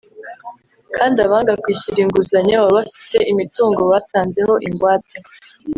kandi abanga kwishyura inguzanyo baba bafite imitungo batanzeho ingwate